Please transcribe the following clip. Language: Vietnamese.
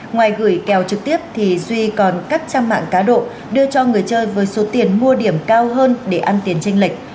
ngoài gửi kèo trực tiếp thì duy còn các trang mạng cá độ đưa cho người chơi với số tiền mua điểm cao hơn để ăn tiền tranh lệch